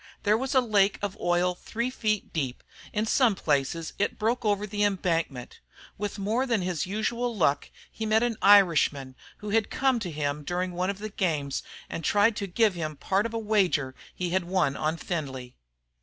There was a lake of oil three feet deep; in some places it broke over the embankment. With more than his usual luck he met an Irishman who had come to him during one of the games and tried to give him part of a wager he had won on Findlay.